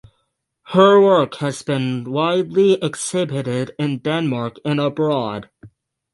Her work has been widely exhibited in Denmark and abroad.